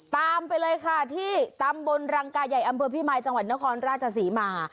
ไปเลยค่ะที่ตำบลรังกายใหญ่อำเภอพี่มายจังหวัดนครราชศรีมา